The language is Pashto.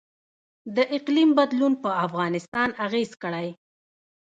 د اقلیم بدلون په افغانستان اغیز کړی؟